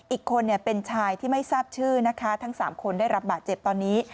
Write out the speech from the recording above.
อีกคนเป็นชายที่ไม่ทราบชื่อนะคะทั้ง๓คนได้รับบาดเจ็บตอนนี้